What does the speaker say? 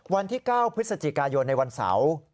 วันที่๙พฤศจิกายนในวันเสาร์